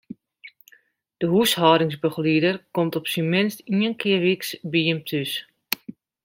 De húshâldingsbegelieder komt op syn minst ien kear wyks by jin thús.